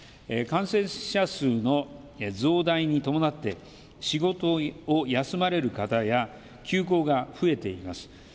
感染者数の増大に伴って仕事を休まれる方や休校が増えています。